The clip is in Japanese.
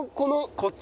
こっち？